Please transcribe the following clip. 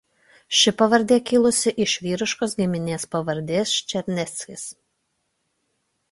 Ši pavardė kilusi iš vyriškos giminės pavardės Černeckis.